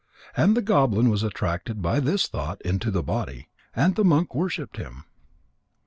And the goblin was attracted by his thought into the body, and the monk worshipped him.